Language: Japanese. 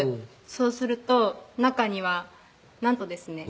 そうすると中にはなんとですね